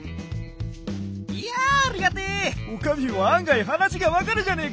いやあありがてえ！